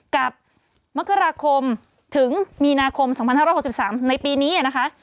กับมกราคมถึงมีนาคม๒๕๖๓ในปีนี้นะคะ